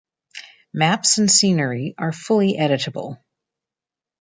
Maps and scenery are fully editable.